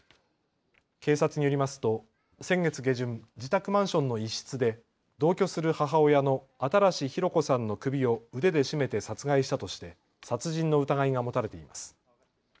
警察によりますと先月下旬、自宅マンションの一室で同居する母親の新博子さんの首を腕で絞めて殺害したとして殺人の疑いが持たれています。